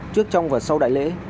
trước trong và sau đại lễ